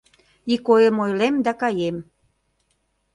Ик ойым ойлем да каем.